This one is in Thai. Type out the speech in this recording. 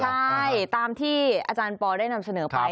ใช่ตามที่อาจารย์ปอลได้นำเสนอไป